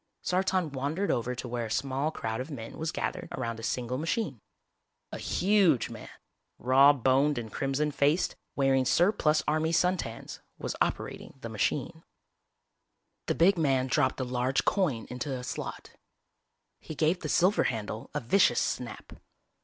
Sartan wandered over to where a small crowd of men was gathered around a single machine. A huge man, raw boned and crimson faced, wearing surplus army suntans, was operating the machine. The big man dropped a large coin into a slot. He gave the silver handle a vicious snap.